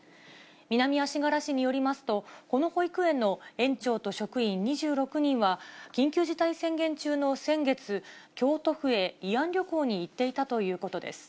南足柄市によりますと、この保育園の園長と職員２６人は、緊急事態宣言中の先月、京都府へ慰安旅行に行っていたということです。